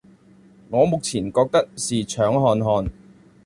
我目前覺得是搶看看